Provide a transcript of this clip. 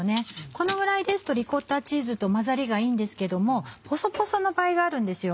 このぐらいですとリコッタチーズと混ざりがいいんですけどもポソポソの場合があるんですよ。